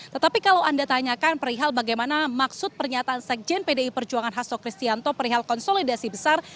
tetapi kalau anda tanyakan perihal bagaimana maksud pernyataan sekjen pdi perjuangan hasto kristianto perihal konsolidasi besar